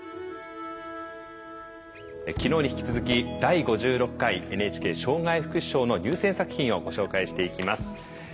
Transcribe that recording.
昨日に引き続き第５６回ＮＨＫ障害福祉賞の入選作品をご紹介していきます。